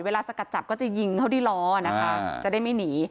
สกัดจับก็จะยิงเข้าที่ล้อนะคะจะได้ไม่หนี